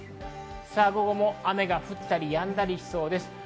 午後も雨が降ったりやんだりしそうです。